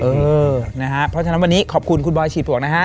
เออนะฮะเพราะฉะนั้นวันนี้ขอบคุณคุณบอยฉีดผวกนะฮะ